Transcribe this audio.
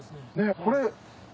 これ。